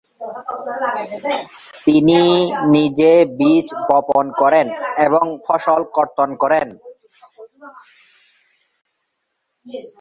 তিনি নিজে বীজ বপন করেন এবং ফসল কর্তন করেন।